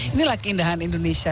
inilah keindahan indonesia